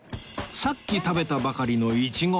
さっき食べたばかりのイチゴ